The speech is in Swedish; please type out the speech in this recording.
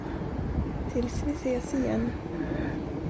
Tills vi ses igen.